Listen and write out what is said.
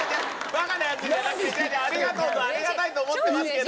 バカなやつじゃなくて違う違うありがとうとありがたいと思ってますけど。